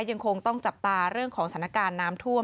ยังคงต้องจับตาเรื่องของสถานการณ์น้ำท่วม